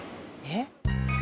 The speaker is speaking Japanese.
えっ？